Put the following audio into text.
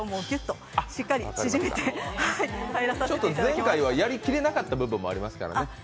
前回はやりきれなかった部分もありますからね。